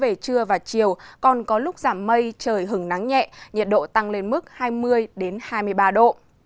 về trưa và chiều còn có lúc giảm mây trời hứng nắng nhẹ nhiệt độ tăng lên mức hai mươi hai mươi ba độ